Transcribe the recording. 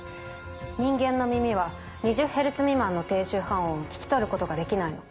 人間の耳は２０ヘルツ未満の低周波音を聞き取ることができないの。